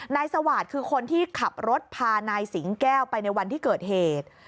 นายสวาสตร์คือคนที่ขับรถพานายสิงแก้วไปในวันที่เกิดเหตุ